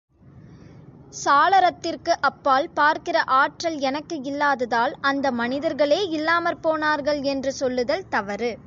சாளரத்திற்கு அப்பால் பார்க்கிற ஆற்றல் எனக்கு இல்லாததால், அந்த மனிதர்களே இல்லாமற் போனார்கள் என்று சொல்லுதல் தவறு.